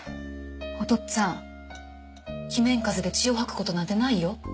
おとっつぁん鬼面風邪で血を吐くことなんてないよ